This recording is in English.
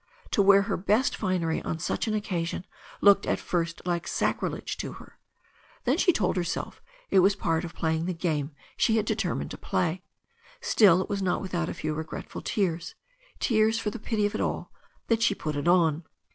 To wear her best finery on such an occasion looked at first like sacrilege to her. Then she told herself it was part of playing the game she had determined to play. Still, it was not without a few regretful tears, tears for the pity of it all, that she put it on.